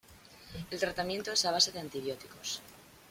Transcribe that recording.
El tratamiento es a base de antibióticos.